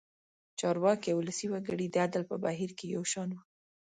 چارواکي او ولسي وګړي د عدل په بهیر کې یو شان وو.